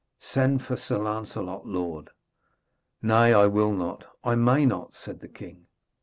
Send for Sir Lancelot, lord.' 'Nay, I will not I may not,' said the king.